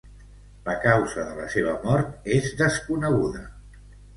La causa de la seua mort és desconeguda.